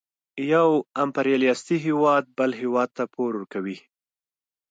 یو امپریالیستي هېواد بل هېواد ته پور ورکوي